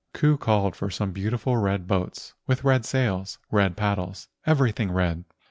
Ku called for some beautiful red boats with red sails, red paddles,—everything red.